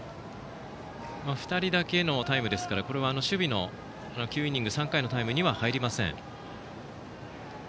２人だけのタイムですからこれは守備の９イニング３回のタイムには入りません。